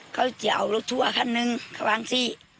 เค้าจะเอารถทัวร์นึงข้างที่